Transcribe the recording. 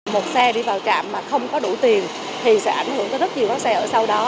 một xe đi vào trạm mà không có đủ tiền thì sẽ ảnh hưởng tới rất nhiều các xe ở sau đó